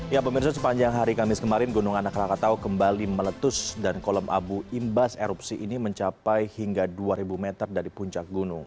ya pemirsa sepanjang hari kamis kemarin gunung anak rakatau kembali meletus dan kolom abu imbas erupsi ini mencapai hingga dua ribu meter dari puncak gunung